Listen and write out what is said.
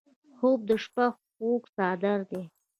خوب د شپه خوږ څادر دی